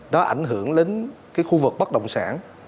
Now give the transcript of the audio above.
đó ảnh hưởng đến cái khu vực bắt đồng sản